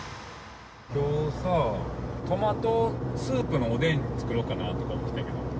今日さトマトスープのおでん作ろうかなとか思ってたんやけど。